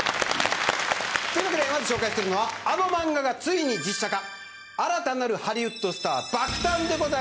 まず紹介するのはあの漫画がついに実写化新たなるハリウッドスター爆誕です。